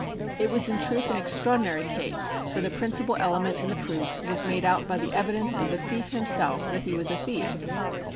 It was in truth an extraordinary case, for the principal element in the proof was made out by the evidence of the thief himself that he was a thief.